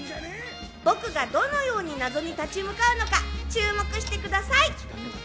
僕がどのように謎に立ち向かうのか注目してください。